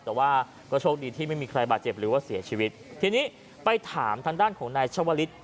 แต่ว่าก็โชคดีที่ไม่มีใครบาดเจ็บหรือว่าเสียชีวิตทีนี้ไปถามทางด้านของนายชาวลิศ